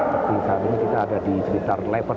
pertama kita ada di sebesar level